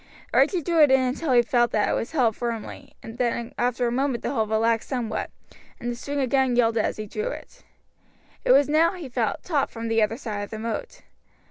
Archie drew it in until he felt that it was held firmly, then after a moment the hold relaxed somewhat, and the string again yielded as he drew it. It was now, he felt, taut from the other side of the moat.